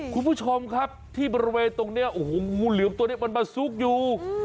คุณผู้ชมครับที่บริเวณตรงนี้โอ้โหงูเหลือมตัวนี้มันมาซุกอยู่